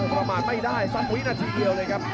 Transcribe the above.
ประมาณไม่ได้สักวินาทีเดียวเลยครับ